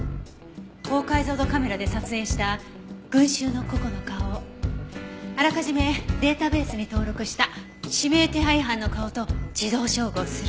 高解像度カメラで撮影した群衆の個々の顔をあらかじめデータベースに登録した指名手配犯の顔と自動照合する。